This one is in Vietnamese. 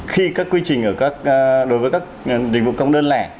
khi các quy trình đối với các dịch vụ công đơn lẻ